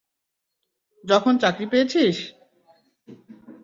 যখন চাকরি পেয়েছিস?